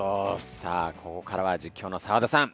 さあここからは実況の澤田さん